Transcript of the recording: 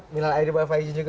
minal aireen pak yusman juga